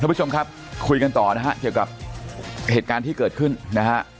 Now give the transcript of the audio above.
ผู้ชมครับคุยกันต่อนะฮะเกี่ยวกับเหตุการณ์ที่เกิดขึ้นนะฮะ